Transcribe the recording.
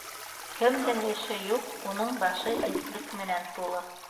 Кемдең эше юҡ, уның башы этлек менән тулы.